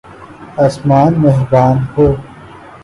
آسمان مہربان ہوں۔